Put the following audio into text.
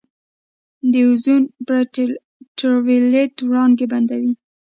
د اوزون پرت الټراوایلټ وړانګې بندوي.